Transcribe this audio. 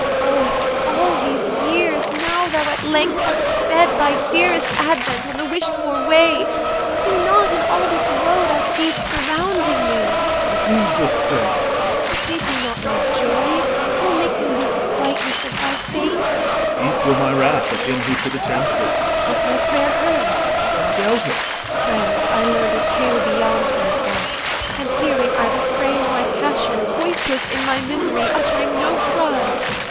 EL. Oh! after all these years, II Now thou at length hast sped Thy dearest advent on the wished for way, Do not, in all this woe Thou seest surrounding me OR. What means this prayer? EL. Forbid me not my joy, Nor make me lose the brightness of thy face! OR. Deep were my wrath at him who should attempt it. EL. Is my prayer heard? OR. Why doubt it? EL. Friends, I learned A tale beyond my thought; and hearing I restrained My passion, voiceless in my misery, Uttering no cry.